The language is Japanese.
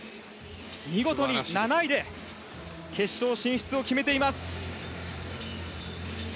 見事に７位で決勝進出を決めています。